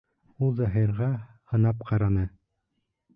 Ул Заһирға һынап ҡараны.